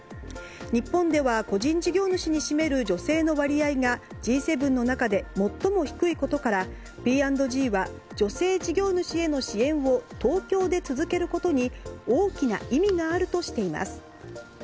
日本では個人事業主に占める女性の割合がＧ７の中で最も低いことからＰ＆Ｇは女性事業主への支援を東京で続けることに大きな意味があるとしています。